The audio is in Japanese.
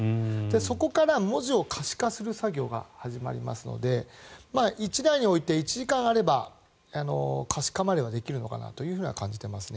そこから文字を可視化する作業が始まりますので１台において１時間あれば可視化まではできるのかなと感じていますね。